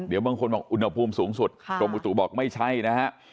เดี๋ยวบางคนบอกอุณหภูมิสูงสุดกรมอุตุบอกไม่ใช่นะฮะ